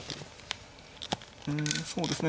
うんそうですね